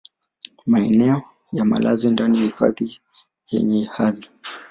maeneo ya malazi ndani ya hifadhi yenye hadhi